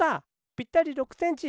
ぴったり６センチ！